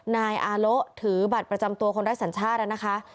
นายอาโละถือบัตรประจำตัวคนไร้สัญชาติแล้วนะคะ